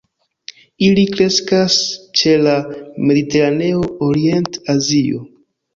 Ili kreskas ĉe la Mediteraneo, Orient-Azio.